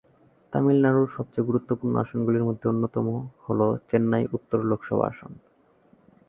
তামিলনাড়ুর সবচেয়ে গুরুত্বপূর্ণ আসনগুলির মধ্যে অন্যতম হল চেন্নাই উত্তর লোকসভা আসন।